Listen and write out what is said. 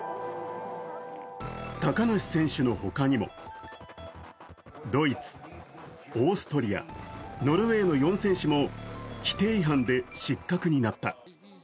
高梨選手の他にも、ドイツ、オーストリア、ノルウェーの４選手も規定違反で失格になった。